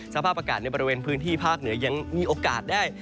สภาพอากาศในบริเวณพื้นที่ภาคเหนือยังมีโอกาสได้